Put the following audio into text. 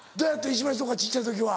石橋とか小っちゃい時は。